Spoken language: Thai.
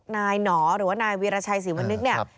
นายหนอหรือว่านายวีรชัยศรีวรณิกษ์